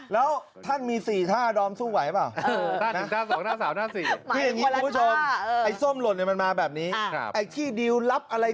แล้วท่านมี๔ท่าดอมสู้ไหวเปล่า